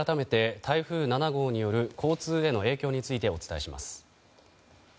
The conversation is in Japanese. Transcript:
ここで改めて台風７号による交通への影響についてお伝えします。